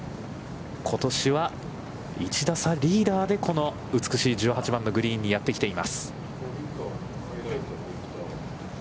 ことしは一打差リーダーでこの美しい１８番のグリーンにやってきています。